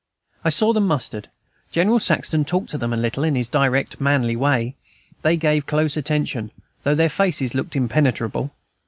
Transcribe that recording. I saw them mustered; General Saxton talked to them a little, in his direct, manly way; they gave close attention, though their faces looked impenetrable.